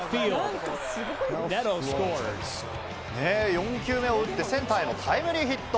４球目を打って、センターへのタイムリーヒット。